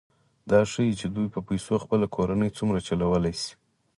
دا ښيي چې دوی په پیسو خپله کورنۍ څومره چلولی شي